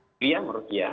mulia menurut dia